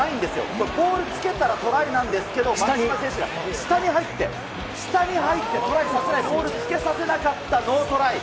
これポールつけたらトライなんですけれども、松島選手が下に入ってトライさせない、ポールつけさせなかったノートライ。